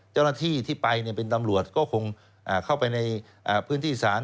เจ้าหน้าที่ที่ไปเป็นตำรวจก็คงเข้าไปในพื้นที่ศาล